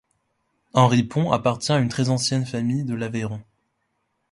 Henri Pons appartient à une très ancienne famille de l'Aveyron.